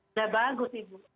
sudah bagus ibu